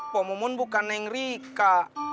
pemumun bukan neng rika